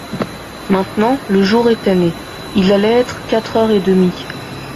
Maintenant, le jour était né, il allait être quatre heures et demie.